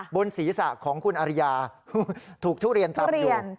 บนศีรษะของคุณอริยาถูกทุเรียนตำอยู่